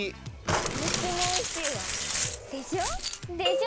とってもおいしいわ！でしょ？でしょ？